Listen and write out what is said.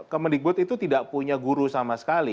kemendikbud itu tidak punya guru sama sekali